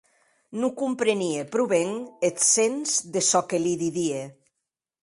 Non comprenie pro ben eth sens de çò que li didie.